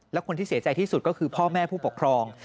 และคนที่เสียใจที่สุดก็คือพ่อแม่ผู้ปกครอง